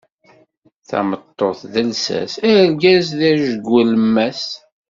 Tameṭṭut d lsas, argaz d ajgu alemmas.